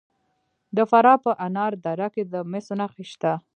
د فراه په انار دره کې د مسو نښې شته.